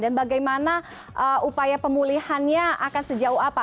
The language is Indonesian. dan bagaimana upaya pemulihannya akan sejauh apa